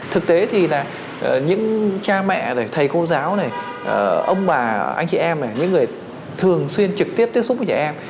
thực tế thì là những cha mẹ này thầy cô giáo này ông bà anh chị em này những người thường xuyên trực tiếp tiếp xúc với trẻ em